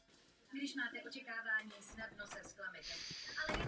V okolí zámku je rozsáhlý park s nemalou sbírkou různých druhů keřů a stromů.